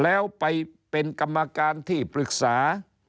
แล้วไปเป็นกรรมการที่ปรึกษา